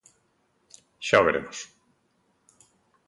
Xa o veremos.